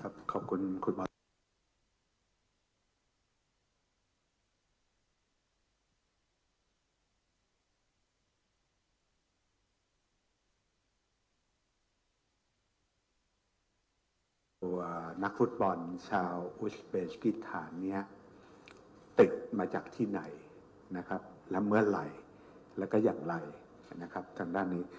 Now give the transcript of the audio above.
อัศวินจริงว่านักธุรกิจบอลชาวอุศเบรจกิธานีติดมาจากที่ไหนนะครับแล้วเมื่อไหร่แล้วก็อย่างไรนะครับตั้งด้านนี้